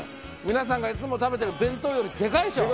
皆さんがいつも食べてる弁当よりでかいでしょ？